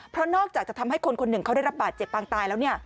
เพราะนอกจากจะทำให้คนคนหนึ่งเขาได้รับบาดเจ็บปางตายแล้ว